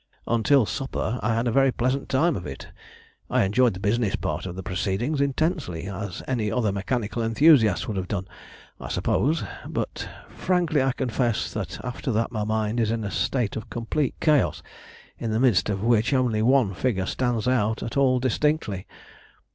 "Until supper I had a very pleasant time of it. I enjoyed the business part of the proceedings intensely, as any other mechanical enthusiast would have done, I suppose. But I frankly confess that after that my mind is in a state of complete chaos, in the midst of which only one figure stands out at all distinctly."